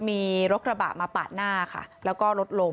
มีรถกระบะมาปาดหน้าค่ะแล้วก็รถล้ม